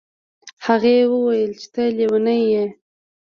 هغې وویل چې ته لیونی یې.